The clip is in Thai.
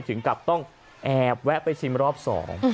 ถึงกับต้องแอบแวะไปชิมรอบสอง